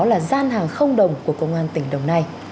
là gian hàng không đồng của công an tỉnh đồng nai